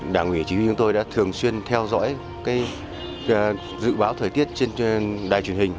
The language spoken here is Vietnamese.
đảng ủy chỉ huy chúng tôi đã thường xuyên theo dõi dự báo thời tiết trên đài truyền hình